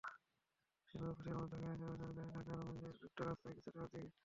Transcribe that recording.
যেন অফিসের মতো বাঁয়ে চলাচল করে ঢাকার যানজটযুক্ত রাস্তায়ও কিছুটা গতি আসে।